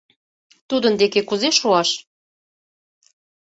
Тудын деке кузе шуаш?